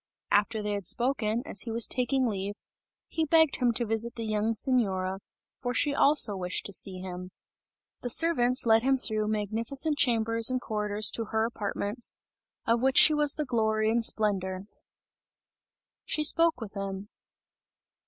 After they had spoken, as he was taking leave, he begged him to visit the young Signora, for she also wished to see him. The servants led him through magnificent chambers and corridors to her apartments, of which she was the glory and splendour. She spoke with him!